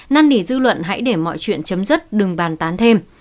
năn ỉ dư luận hãy để mọi chuyện chấm dứt đừng bàn tán thêm